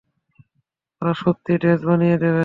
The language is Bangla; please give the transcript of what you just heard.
ওরা সত্যি ড্রেস বানিয়ে দেবে?